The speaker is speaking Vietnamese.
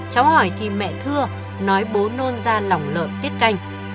cháu hỏi thì mẹ thưa nói bố nôn ra lòng lợn tiết canh